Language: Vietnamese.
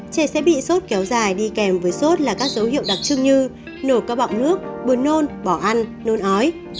trẻ sẽ bị sốt kéo dài đi kèm với sốt là các dấu hiệu đặc trưng như nổ cao bọng nước buồn nôn bỏ ăn nôn ói